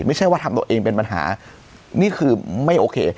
ไม่ใช่ว่าทำตัวเองเป็นปัญหานี่คือไม่โอเค